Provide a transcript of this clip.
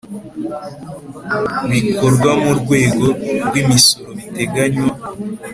bikorwa mu rwego rw imisoro biteganywa